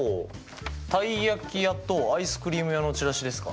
たい焼き屋とアイスクリーム屋のチラシですか。